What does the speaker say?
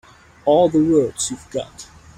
All the words you've got.